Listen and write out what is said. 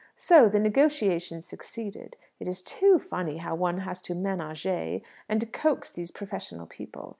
So the negotiation succeeded. It is too funny how one has to ménager and coax these professional people.